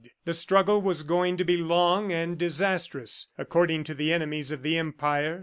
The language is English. The struggle was going to be long and disastrous, according to the enemies of the Empire.